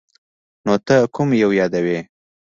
نو ته کوم یو یادوې ؟